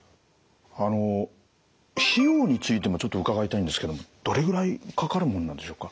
あの費用についてもちょっと伺いたいんですけどもどれぐらいかかるもんなんでしょうか？